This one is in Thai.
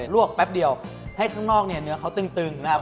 วกแป๊บเดียวให้ข้างนอกเนี่ยเนื้อเขาตึงนะครับ